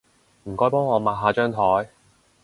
唔該幫我抹下張枱